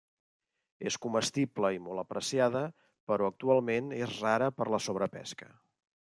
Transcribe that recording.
És comestible i molt apreciada però actualment és rara per la sobrepesca.